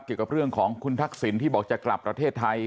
เกี่ยวกับเรื่องของคุณทักษิณที่บอกจะกลับประเทศไทย